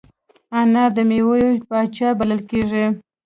انار د میوو پاچا بلل کېږي.